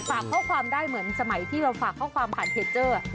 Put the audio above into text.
ฝากข้อความได้เหมือนสมัยที่เราฝากข้อความผ่านเพจเจอร์